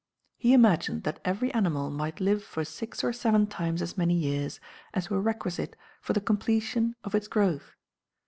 He imagined that every animal might live for six or seven times as many years as were requisite for the completion of its growth.